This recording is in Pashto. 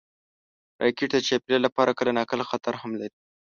راکټ د چاپېریال لپاره کله ناکله خطر هم لري